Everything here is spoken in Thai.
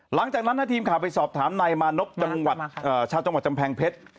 หลังจากนั้นท่านทีมขาไปสอบถามนายมานบชาติจังหวัดจำแพงเพชร